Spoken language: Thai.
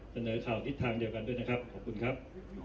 เสนอข่าวทิศทางเดียวกันด้วยนะครับขอบคุณครับ